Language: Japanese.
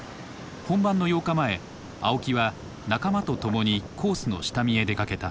本番の８日前青木は仲間とともにコースの下見へ出かけた。